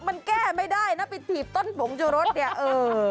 มันแก้ไม่ได้น่ะถีบต้นผงจุรสเออ